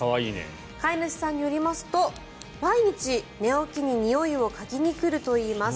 飼い主さんによりますと毎日、寝起きににおいを嗅ぎに来るといいます。